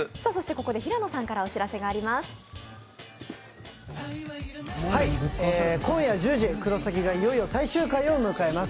ここで平野さんからお知らせがあります。